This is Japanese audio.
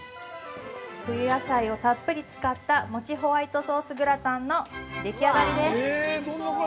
冬野菜をたっぷり使った餅ホワイトソースグラタンのでき上がりです。